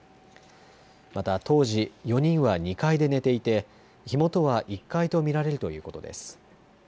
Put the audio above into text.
また当時、４人は２階で寝ていて火元は１階と見られるということです。